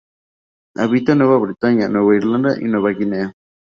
Habita en Nueva Bretaña, Nueva Irlanda y Nueva Guinea.